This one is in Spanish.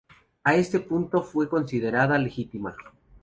A este punto fue considerada legítima.